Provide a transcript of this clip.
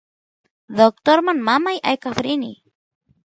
doctorman mamay aykaf rin